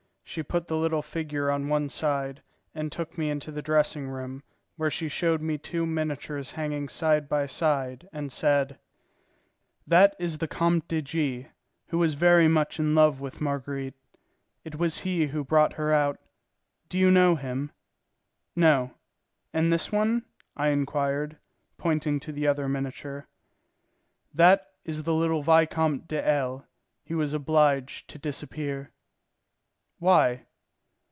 She put the little figure on one side, and took me into the dressing room, where she showed me two miniatures hanging side by side, and said: "That is the Comte de G., who was very much in love with Marguerite; it was he who brought her out. Do you know him?" "No. And this one?" I inquired, pointing to the other miniature. "That is the little Vicomte de L. He was obliged to disappear." "Why?"